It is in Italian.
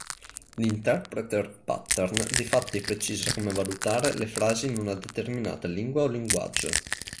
L'interpreter pattern difatti precisa come valutare le frasi in una determinata lingua o linguaggio.